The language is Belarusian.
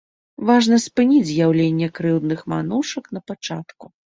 Важна спыніць з'яўленне крыўдных мянушак напачатку.